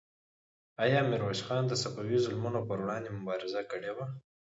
آیا میرویس خان د صفوي ظلمونو پر وړاندې مبارزه کړې وه؟